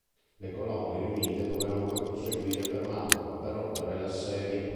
Le colonne riunite dovevano poi proseguire per Mantova per rompere l'assedio.